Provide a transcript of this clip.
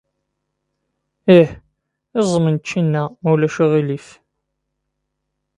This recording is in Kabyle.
Ih, iẓem n ččina, ma ulac aɣilif.